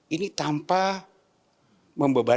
ini tanpa memperbaiki